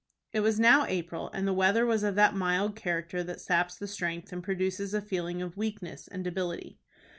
It was now April, and the weather was of that mild character that saps the strength and produces a feeling of weakness and debility.